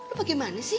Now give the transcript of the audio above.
lo bagaimana sih